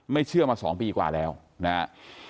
ไม่เชื่อมา๒ปีกว่าแล้วฯนะฮะ